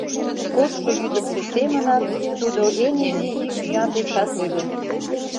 Кодшо йӱдымсӧ семынак, тудо эн изи йӱк-йӱан дечат лӱдын.